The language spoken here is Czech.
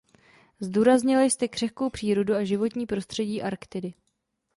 Zdůraznila jste křehkou přírodu a životní prostředí Arktidy.